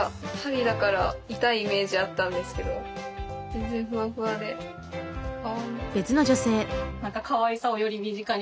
全然ふわふわでかわいい。